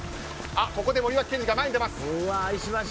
ここで森脇健児が前に出ます。